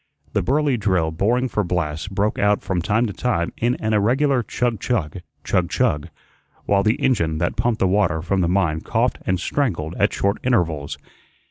The Burly drill boring for blasts broke out from time to time in an irregular chug chug, chug chug, while the engine that pumped the water from the mine coughed and strangled at short intervals.